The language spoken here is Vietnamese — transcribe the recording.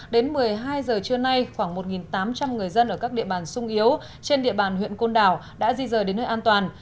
đến một mươi hai giờ trưa nay khoảng một tám trăm linh người dân ở các địa bàn sung yếu trên địa bàn huyện côn đảo đã di rời đến nơi an toàn